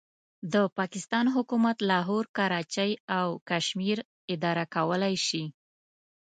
د پاکستان حکومت لاهور، کراچۍ او کشمیر اداره کولای شي.